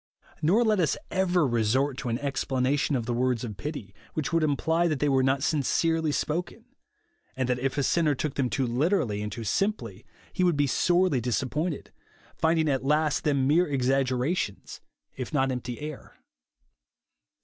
Nor let us ever resort to an exjDlanation of the words of pity, which would imply that they were not sincerely spoken ; and that if a sinner took them too literally and too simply, he would be sorely disappointed; — finding at last them mere exaggerations, if not empty air.